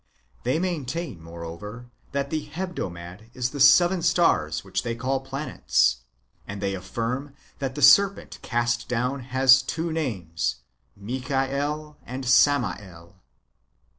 They maintain, moreover, that the holy Heb domad is the seven stars which they call planets ; and they affirm that the serpent cast down has two names, Michael and Samael.